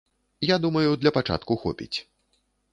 Я думаю, для пачатку хопіць.